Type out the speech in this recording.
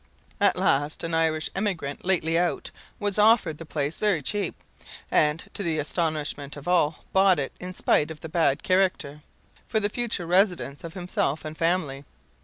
"At last an Irish emigrant lately out was offered the place very cheap, and, to the astonishment of all, bought it, in spite of the bad karacter, for the future residence of himself and family.